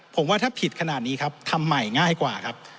ผมว่าถ้าผิดขนาดนี้ครับทำใหม่ง่ายกว่าครับ